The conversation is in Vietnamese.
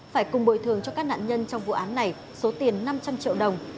phải cùng bồi thường cho các nạn nhân trong vụ án này số tiền năm trăm linh triệu đồng